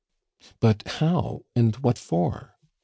"But how, and what for?"